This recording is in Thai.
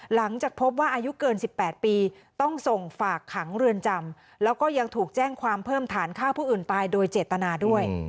หลังจากพบว่าอายุเกิน๑๘ปีต้องส่งฝากขังเรือนจำแล้วก็ยังถูกแจ้งความเพิ่มฐานฆ่าผู้อื่นตายโดยเจตนาด้วย